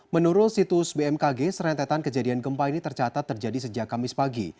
menurut situs bmkg serentetan kejadian gempa ini tercatat terjadi sejak kamis pagi